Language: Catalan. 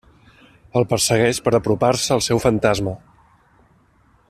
El persegueix per apropar-se al seu fantasma.